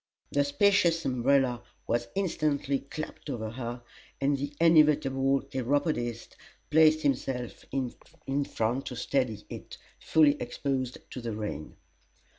The spacious umbrella was instantly clapped over her, and the inevitable Chiropodist placed himself in front to steady it, fully exposed to the rain.